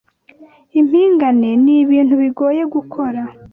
Impingane ni Ibintu bigoye gukora